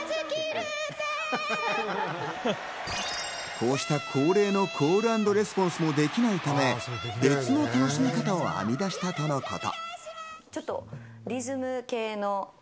こうした恒例のコール＆レスポンスができないため、別の楽しみ方を編み出したとのこと。